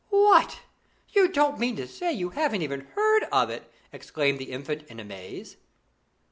'What! you don't mean to say you haven't even heard of it?' cried the Infant in amaze.